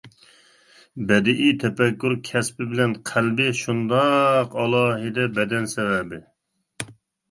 بەدىئىي تەپەككۇر كەسپى بىلەن قەلبى شۇنداق ئالاھىدە بەدەن سەۋەبى.